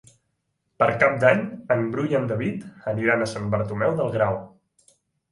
Per Cap d'Any en Bru i en David aniran a Sant Bartomeu del Grau.